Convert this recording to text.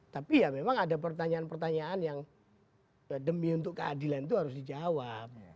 tapi ya memang ada pertanyaan pertanyaan yang demi untuk keadilan itu harus dijawab